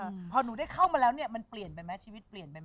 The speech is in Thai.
เมื่อโน้ตห้าเกิดเข้ามาแล้วมันเปลี่ยนไปมั้ยชีวิตเปลี่ยนไหม